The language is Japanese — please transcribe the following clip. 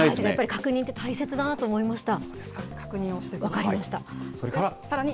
やっぱり確認って大切だなって思いました。